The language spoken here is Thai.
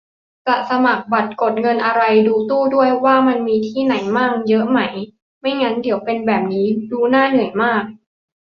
จะสมัครบัตรกดเงินอะไร ดูตู้ด้วย ว่ามันมีที่ไหนมั่ง เยอะไหม ไม่งั้นเดี๋ยวเป็นแบบนี้ ดูน่าเหนื่อยมาก